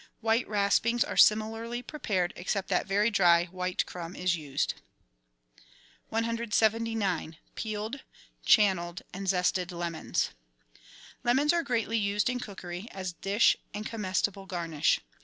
White ruspings are similarly prepared, except that very dry, white crumb is used. 179— PEELED, CHANNELLED, AND ZESTED LEMONS Lemons are greatly used in cookery, as dish and comestible garnish.